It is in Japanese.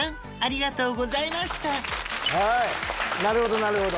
なるほどなるほど。